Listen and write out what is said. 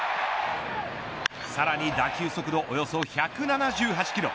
さらに打球速度およそ１７８キロ。